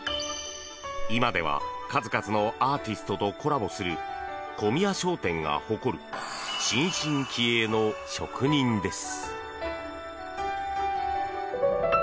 今では数々のアーティストとコラボする小宮商店が誇る新進気鋭の職人です。